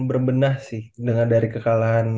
berbenah sih dengan dari kekalahan